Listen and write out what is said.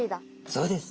そうです。